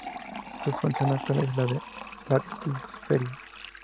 Su función actual es la de baptisterio.